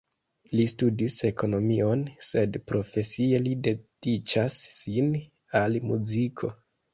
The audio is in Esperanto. Li studis ekonomion, sed profesie li dediĉas sin al muziko.